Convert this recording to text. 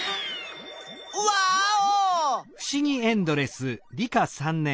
ワーオ！